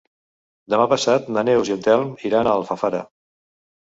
Demà passat na Neus i en Telm iran a Alfafara.